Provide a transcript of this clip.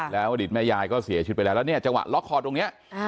แล้วอดีตแม่ยายก็เสียชีวิตไปแล้วแล้วเนี่ยจังหวะล็อกคอตรงนี้